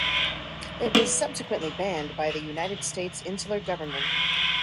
It was subsequently banned by the United States Insular Government.